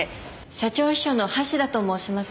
社長秘書の橋田と申します。